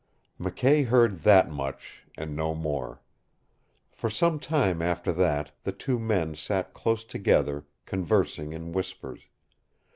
McKay heard that much and no more. For some time after that the two men sat close together, conversing in whispers.